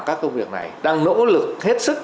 các công việc này đang nỗ lực hết sức